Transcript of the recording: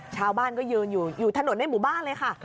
ชาวบ้านก็ยืนอยู่ถนนในหมู่บ้านเลยค่ะ